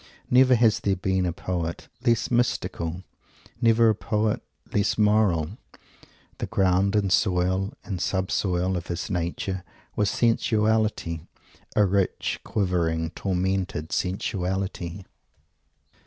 Never has there been a poet less mystical never a poet less moral. The ground and soil, and sub soil, of his nature, was Sensuality a rich, quivering, tormented Sensuality!